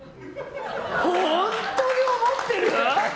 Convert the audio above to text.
本当に思ってる？